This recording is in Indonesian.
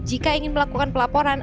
jika ingin melakukan pelaporan